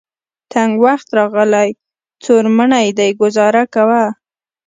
تنګ وخت راغلی. څوړ منی دی ګذاره کوه.